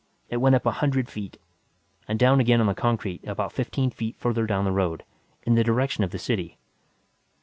It went up a hundred feet. And down again on the concrete, about fifteen feet further down the road. In the direction of the city.